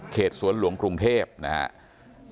เขตสวนหลวงกรุงเทพนะฮะ